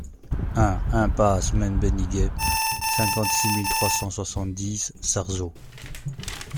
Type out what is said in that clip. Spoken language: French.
un impasse Men Beniguet, cinquante-six mille trois cent soixante-dix Sarzeau